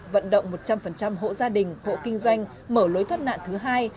vận động một trăm linh hộ gia đình hộ kinh doanh mở lối thoát nạn thứ hai